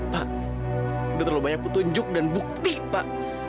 pak udah terlalu banyak petunjuk dan bukti pak